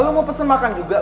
lo mau pesen makan juga